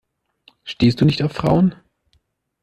Stehst du nicht auf Frauen?